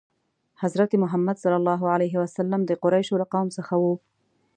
حضرت محمد ﷺ د قریشو له قوم څخه و.